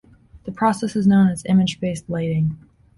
This process is known as image-based lighting.